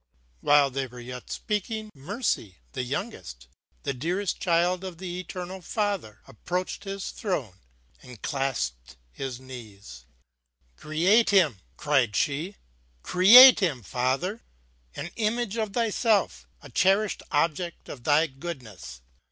While they were yet speaking, Mercy, the young est — the dearest child of the Eternal Father, ap proached His throne, and clasped His knees :" Create him !" cried she ;" create him. Father ! an image of Thyself — a cherished object of Thy goodness.